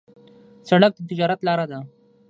سړک د تجارت لاره ده.